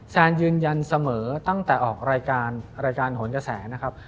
แซนยืนยันเสมอตั้งแต่ออกรายการรายการโหนกระแสนะครับ